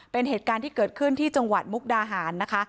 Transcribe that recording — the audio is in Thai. เป็นเหตุการณ์ที่เกิดขึ้นที่จังหวัดมุกดาหารนะคะ